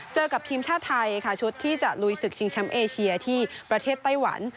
กับทีมชาติไทยค่ะชุดที่จะลุยศึกชิงแชมป์เอเชียที่ประเทศไต้หวัน